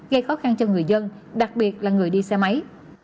gây khó khăn cho người dân đặc biệt là người đi xe máy